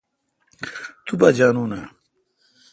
تو پان جانون اں؟